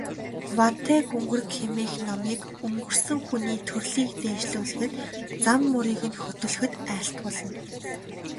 Вантай гүнгэрэг хэмээх номыг өнгөрсөн хүний төрлийг дээшлүүлэхэд, зам мөрийг нь хөтлөхөд айлтгуулна.